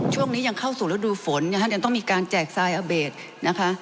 ช่วงนี้ยังเข้าสู่ระดูษฝนงานยังต้องมีการแจกทรายบิตนะคะ